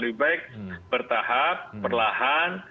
lebih baik bertahap perlahan